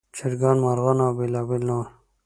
چرګان، مرغان او بېلابېل نور.